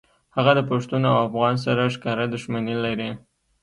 هغه د پښتون او افغان سره ښکاره دښمني لري